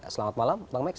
selamat malam bang meks